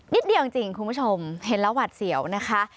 เดียวจริงคุณผู้ชมเห็นแล้วหวัดเสียวนะคะ